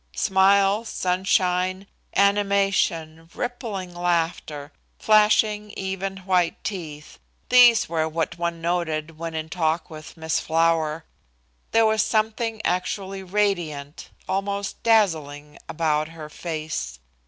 Smiles, sunshine, animation, rippling laughter, flashing, even, white teeth these were what one noted when in talk with Miss Flower. There was something actually radiant, almost dazzling, about her face.